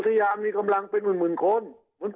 คราวนี้เจ้าหน้าที่ป่าไม้รับรองแนวเนี่ยจะต้องเป็นหนังสือจากอธิบดี